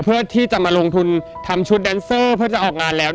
เพื่อที่จะมาลงทุนทำชุดแดนเซอร์เพื่อจะออกงานแล้ว